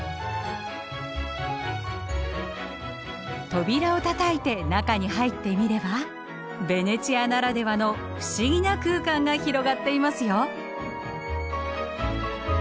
扉をたたいて中に入ってみればベネチアならではの不思議な空間が広がっていますよ。